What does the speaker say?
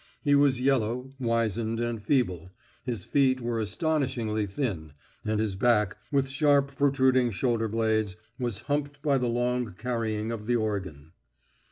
He was yellow, wizened and feeble, his feet were astonishingly thin, and his back, with sharp protruding shoulder blades, was humped by the long carrying of the organ.